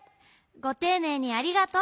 ごていねいにありがとう。